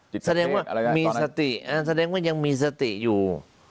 จิตเทศอะไรนะตอนนั้นแสดงว่ายังมีสติอยู่